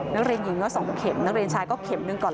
นักเรียนหญิงก็๒เข็มนักเรียนชายก็เข็มหนึ่งก่อน